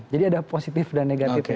jadi ada positif dan negatif